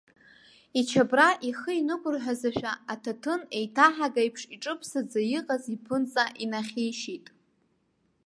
Ичабра ихы инықәырҳәазашәа, аҭаҭын еиҭаҳага еиԥш иҿыԥсаӡа иҟаз иԥынҵа инахьишьит.